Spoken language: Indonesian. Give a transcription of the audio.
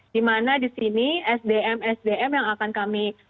dimana disini sdm sdm yang akan kami